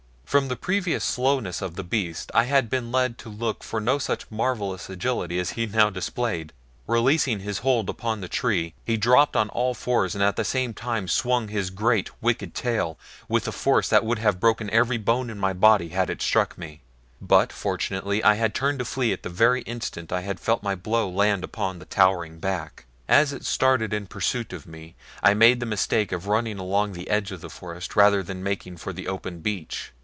From the previous slowness of the beast I had been led to look for no such marvelous agility as he now displayed. Releasing his hold upon the tree he dropped on all fours and at the same time swung his great, wicked tail with a force that would have broken every bone in my body had it struck me; but, fortunately, I had turned to flee at the very instant that I felt my blow land upon the towering back. As it started in pursuit of me I made the mistake of running along the edge of the forest rather than making for the open beach.